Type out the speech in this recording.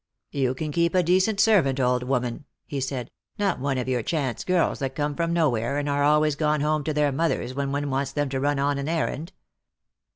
" You can keep a decent servant, old woman," he said; " not one of your chance girls, that come from nowhere, and are always gone home to their mothers when one wants them to run on an errand.